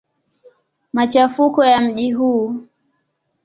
Machafuko ya mji huu.